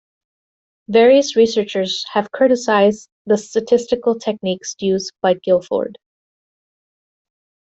Various researchers have criticized the statistical techniques used by Guilford.